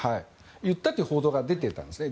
言ったという報道が出ていたんですね。